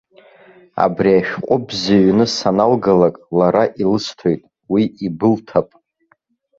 Абри ашәҟәы бзыҩны саналгалак, лара илысҭоит, уи ибылҭап.